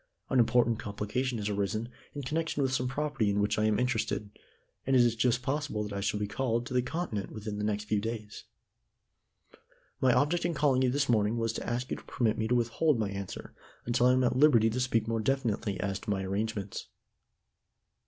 An important complication has arisen in connection with some property in which I am interested, and it is just possible that I shall be called to the Continent within the next few days. My object in calling upon you this morning was to ask you to permit me to withhold my answer until I am at liberty to speak more definitely as to my arrangements."